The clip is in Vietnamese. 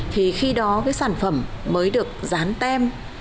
thì khi đó cái sản phẩm mới được dán tem